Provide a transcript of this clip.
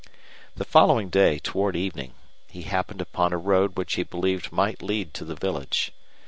The following day, toward evening, he happened upon a road which he believed might lead to the village.